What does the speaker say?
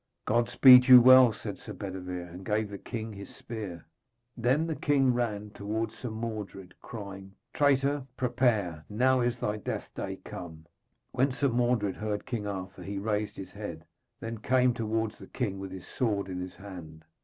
'God speed you well,' said Sir Bedevere, and gave the king his spear. Then the king ran towards Sir Mordred, crying: 'Traitor, prepare, now is thy death day come!' When Sir Mordred heard King Arthur he raised his head, then came towards the king with his sword in his hand.